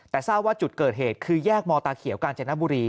แต่ทราบว่าจุดเกิดเหตุคือแยกมตาเขียวกาญจนบุรี